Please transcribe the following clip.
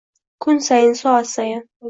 Kun sayin, soat sayin…